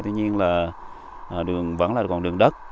tuy nhiên là đường vẫn là còn đường đất